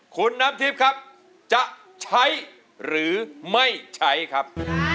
คุณน้ำทิพย์ครับจะใช้หรือไม่ใช้ครับ